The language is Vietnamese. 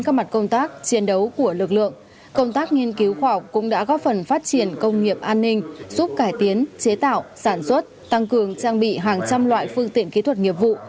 công tác nghiên cứu khoa học cũng đã góp phần phát triển công nghiệp an ninh giúp cải tiến chế tạo sản xuất tăng cường trang bị hàng trăm loại phương tiện kỹ thuật nghiệp vụ